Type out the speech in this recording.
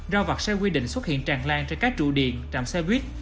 rao vặt sai quy định xuất hiện tràn lan trên các trụ điện trạm xe buýt